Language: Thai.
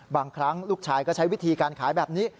บางครั้งลูกชายก็ใช้วิธีการขายแบบนี้